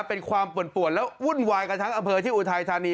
เป็นความป่วนและวุ่นวายกันทั้งอำเภอที่อุทัยธานี